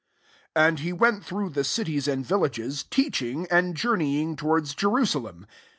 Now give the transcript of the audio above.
22 And he went through the cities and Tillages, teaching, and journeying towards Jeru salem.